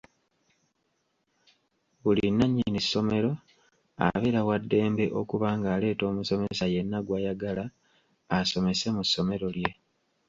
Buli nnannyini ssomero abeera wa ddembe okuba ng’aleeta omusomesa yenna gw’ayagala asomese mu ssomero lye.